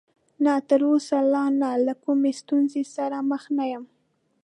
نه، تر اوسه لا نه، له کومې ستونزې سره مخ نه یم.